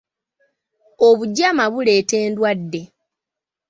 Obugyama buleeta endwadde.